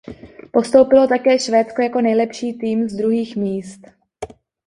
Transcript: Postoupilo také Švédsko jako nejlepší tým z druhých míst.